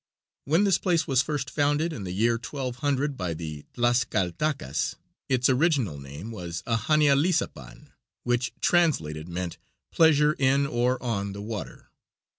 When this place was first founded in the year 1200 by the Tlascaltacas, its original name was Ahanializapan, which, translated, meant "Pleasure in or on the water."